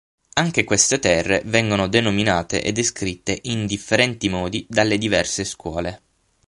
Anche queste terre vengono denominate e descritte in differenti modi dalle diverse scuole.